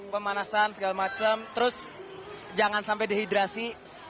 pemanasan segala macem terus jangan sampai dehidrasi